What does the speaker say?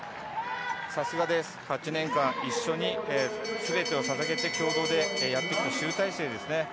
さすがです。８年間一緒に全てをささげて共同でやってきた集大成ですね。